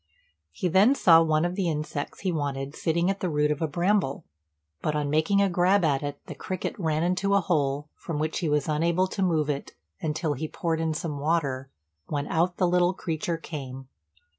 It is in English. He then saw one of the insects he wanted sitting at the root of a bramble; but on making a grab at it, the cricket ran into a hole, from which he was unable to move it until he poured in some water, when out the little creature came.